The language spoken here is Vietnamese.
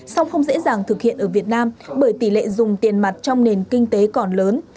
song không dễ dàng thực hiện ở việt nam bởi tỷ lệ dùng tiền mặt trong nền kinh tế còn lớn